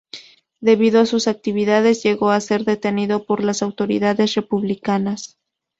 Debido a sus actividades, llegó a ser detenido por las autoridades republicanas.